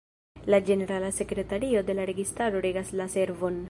La ĝenerala sekretario de la registaro regas la servon.